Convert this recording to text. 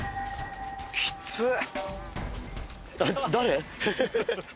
きつっ！